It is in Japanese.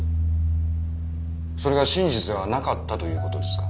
それが真実ではなかったという事ですか？